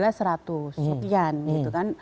jadi empat belas seratus an sekian gitu kan